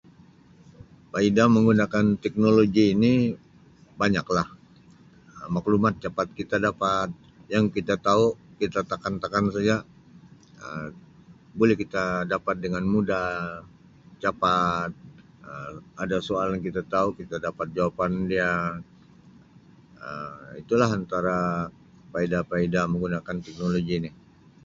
Faedah menggunakan teknologi ini banyak lah maklumat capat kita dapat yang kita tau kita takan takan saja Um buli kita dapat dengan mudah capat Um ada soalan kita tau kita dapat jawapan dia Um itu lah antara faedah faedah menggunakan teknologi ni.